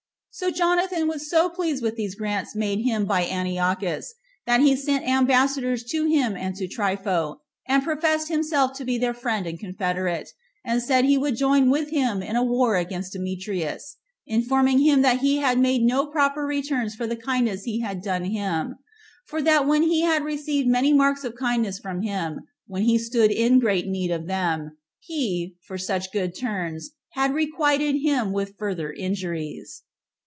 So Jonathan was so pleased with these grants made him by Antiochus, that he sent ambassadors to him and to Trypho, and professed himself to be their friend and confederate, and said he would join with him in a war against Demetrius, informing him that he had made no proper returns for the kindness he had done him; for that when he had received many marks of kindness from him, when he stood in great need of them, he, for such good turns, had requited him with further injuries. 5.